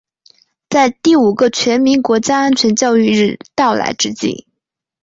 在第五个全民国家安全教育日到来之际